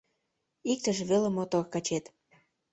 Иктыже веле мотор качет.